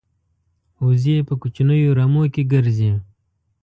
وزې په کوچنیو رمو کې ګرځي